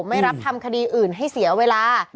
ไม่รับทำคดีอื่นให้เสียเวลา